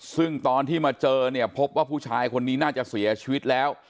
ซึ่งตอนที่มาเจอเนี่ยพบว่าผู้ชายคนนี้น่าจะเสียชีวิตแล้ว